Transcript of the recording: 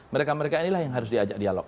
mereka mereka inilah yang harus diajak dialog